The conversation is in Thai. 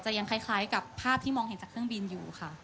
ยังคล้ายกับภาพที่มองเห็นจากเครื่องบินอยู่ค่ะ